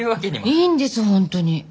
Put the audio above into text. いいんです本当に。